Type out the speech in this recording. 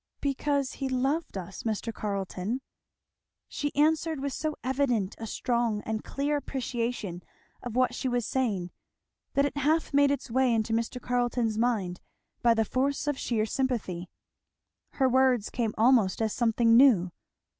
"Because he loved us, Mr. Carleton." She answered with so evident a strong and clear appreciation of what she was saying that it half made its way into Mr. Carleton's mind by the force of sheer sympathy. Her words came almost as something new.